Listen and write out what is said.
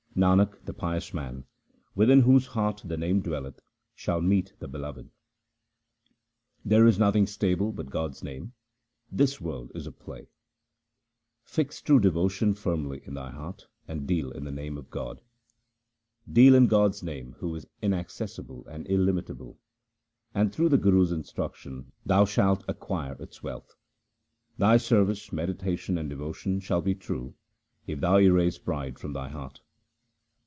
Nanak, the pious man, within whose heart the Name dwelleth, shall meet the Beloved. There is nothing stable but God's name : this world is a play. Fix true devotion firmly in thy heart and deal in the name of God. Deal in God's name who is inaccessible and illimitable, and through the Guru's instruction thou shalt acquire its wealth. Thy service, meditation, and devotion shall be true if thou erase pride from thy heart.